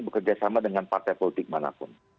bekerja sama dengan partai politik manapun